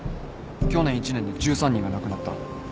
去年一年で１３人が亡くなった。